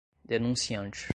denunciante